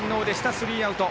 スリーアウト。